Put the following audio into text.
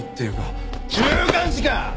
週刊誌か？